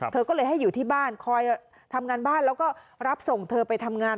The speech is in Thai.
เธอก็เลยให้อยู่ที่บ้านคอยทำงานบ้านแล้วก็รับส่งเธอไปทำงาน